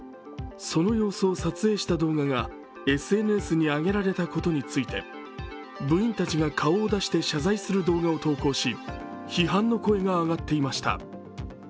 その様子を撮影した動画がＳＮＳにあげられたことについて部員たちが顔を出して謝罪する動画を投稿し、批判の声が上がっていました。